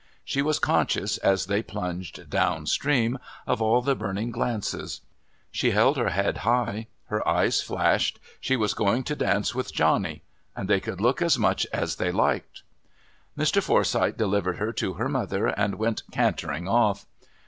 She was conscious, as they plunged down stream, of all the burning glances. She held her head high. Her eyes flashed. She was going to dance with Johnny, and they could look as much as they liked. Mr. Forsyth delivered her to her mother and went cantering off.